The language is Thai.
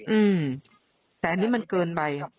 อืมแต่อันนี้มันเกินมาก